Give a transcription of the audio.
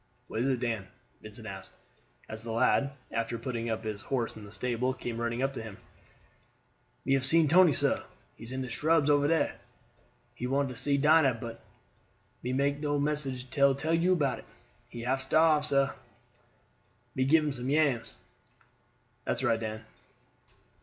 "What is it, Dan?" Vincent asked, as the lad, after putting up his horse in the stable, came running up to him. "Me have seen Tony, sah. He in de shrubs ober dar. He want to see Dinah, but me no take message till me tell you about him. He half starved, sah; me give him some yams." "That's right, Dan."